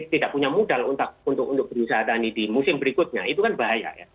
tidak punya modal untuk berusaha tani di musim berikutnya itu kan bahaya ya